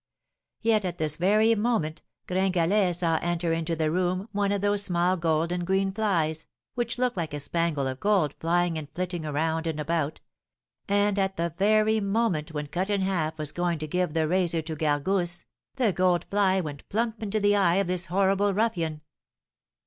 _' Yet at this very moment Gringalet saw enter into the room one of those small gold and green flies, which look like a spangle of gold flying and flitting around and about; and at the very moment when Cut in Half was going to give the razor to Gargousse, the gold fly went plump into the eye of this horrible ruffian.